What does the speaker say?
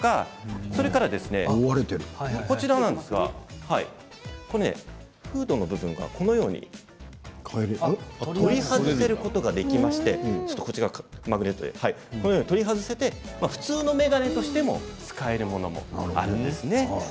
それから、フードの部分がこのように取り外せることができまして、取り外せて普通の眼鏡としても使えるものもあるんですね。